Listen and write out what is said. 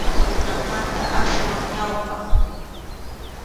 Kunanmanta aswan ñawpaq.